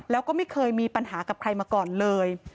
แล้วก็ไม่เคยมีปัญหากับใครมาก่อนเลย